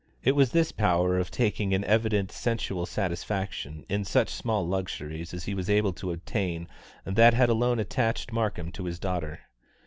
It was this power of taking an evident sensual satisfaction in such small luxuries as he was able to obtain that had alone attached Markham to his daughter.